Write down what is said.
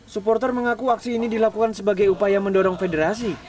supporter mengaku aksi ini dilakukan sebagai upaya mendorong federasi